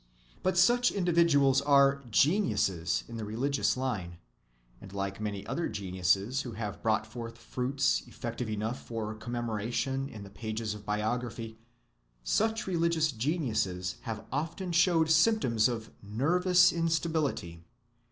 But such individuals are "geniuses" in the religious line; and like many other geniuses who have brought forth fruits effective enough for commemoration in the pages of biography, such religious geniuses have often shown symptoms of nervous instability.